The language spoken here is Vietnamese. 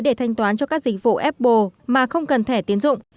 để thanh toán cho các dịch vụ apple mà không cần thẻ tiến dụng